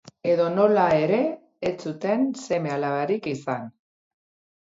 Edonola ere, ez zuten seme-alabarik izan.